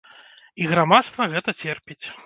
І грамадства гэта церпіць.